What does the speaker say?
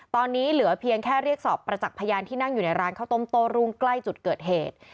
ตอนนี้เหลือเพียงแค่เรียกสอบประจักษ์พยานที่นั่งอยู่ในร้านข้าวต้มโต้รุ่งใกล้จุดเกิดเหตุ